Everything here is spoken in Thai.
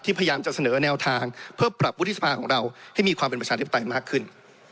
พยายามจะเสนอแนวทางเพื่อปรับวุฒิสภาของเราให้มีความเป็นประชาธิปไตยมากขึ้น